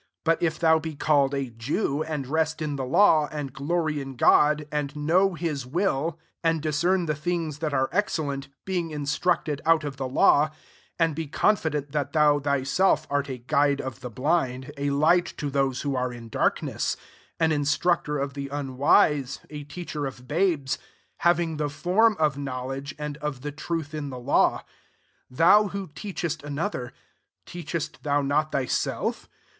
17 But if thou be called a Jew, and rest in [the'\ law, and glory in God, 18 and know hia will, and discern the things that *22 254 ROMANS III. are excellent, being instructed | out of the law ; 19 and be con fident that thou thyself art a guide of the blind, a light to those vrho are in darkness, 20 an instructer of the unwise, a teacher of babes, having the form of knowledge and of the truth in the law ; 21 thou who teachest another, teachest thou not thyself?